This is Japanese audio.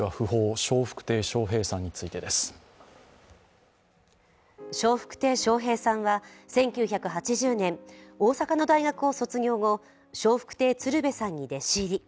笑福亭笑瓶さんは１９８０年、大阪の大学を卒業後、笑福亭鶴瓶さんに弟子入り。